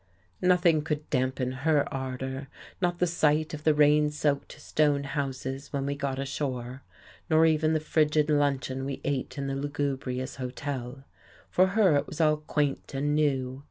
Nothing could dampen her ardour, not the sight of the rain soaked stone houses when we got ashore, nor even the frigid luncheon we ate in the lugubrious hotel. For her it was all quaint and new.